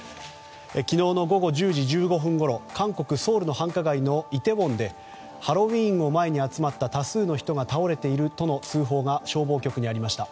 昨日の午後１０時１５分ごろ韓国ソウルの繁華街イテウォンでハロウィーンを前に集まった多数の人が倒れているとの通報が消防局にありました。